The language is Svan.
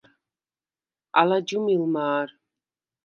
ალა ჯჷმილ მა̄რ.